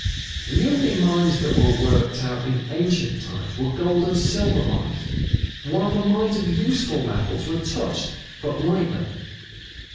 The only mines that were worked out in ancient times were gold and silver mines, while the mines of useful metals were touched but lightly.